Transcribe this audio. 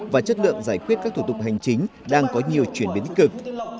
và chất lượng giải quyết các thủ tục hành chính đang có nhiều chuyển biến tích cực